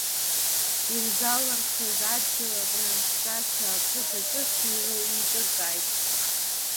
Ирзалырхыз адгьыл аҟны ахҵәацәа ақыҭа ҿыц еиҿыркааит.